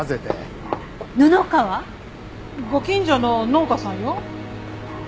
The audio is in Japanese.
ご近所の農家さんよ。